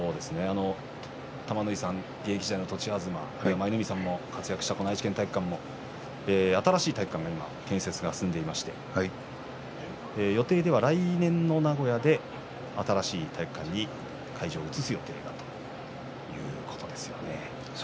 玉ノ井さん、現役時代の栃東舞の海さんも活躍したこの愛知県体育館も新しい体育館の建設が進んでいまして予定では来年の名古屋で新しい体育館に会場を移す予定だということです。